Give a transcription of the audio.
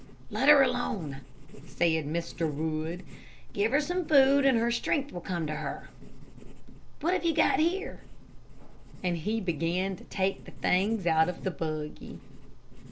"Let her alone," said Mr. Wood. "Give her some food and her strength will come to her. What have you got here?" and he began to take the things out of the buggy.